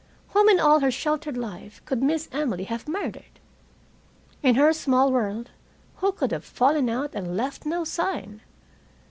Whom in all her sheltered life, could Miss Emily have murdered? In her small world, who could have fallen out and left no sign?